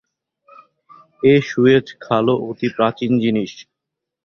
এ Suez খালও অতি প্রাচীন জিনিষ।